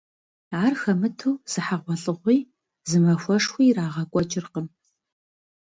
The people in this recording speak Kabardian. Ар хэмыту зы хьэгъуэлӏыгъуи, зы махуэшхуи ирагъэкӏуэкӏыркъым.